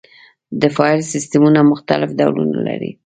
د فایل سیستمونه مختلف ډولونه لري.